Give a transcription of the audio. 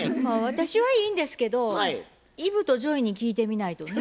私はいいんですけどイブとジョイに聞いてみないとね。